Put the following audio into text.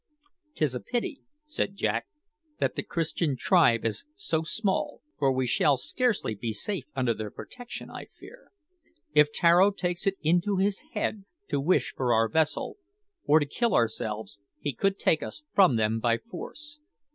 "'Tis a pity," said Jack, "that the Christian tribe is so small, for we shall scarcely be safe under their protection, I fear. If Tararo takes it into his head to wish for our vessel, or to kill ourselves, he could take us from them by force.